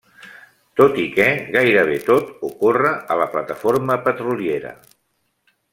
Tot i que gairebé tot ocorre a la plataforma petroliera.